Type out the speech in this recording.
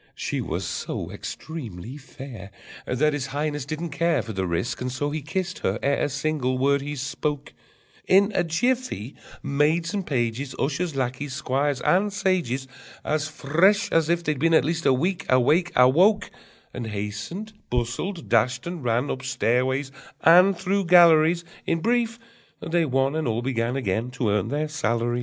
She was so extremely fair That His Highness didn't care For the risk, and so he kissed her ere a single word he spoke: In a jiffy maids and pages, Ushers, lackeys, squires, and sages, As fresh as if they'd been at least A week awake, Awoke, And hastened, bustled, dashed and ran Up stairways and through galleries: In brief, they one and all began Again to earn their salaries!